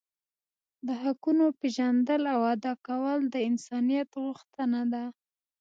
د حقونو پیژندل او ادا کول د انسانیت غوښتنه ده.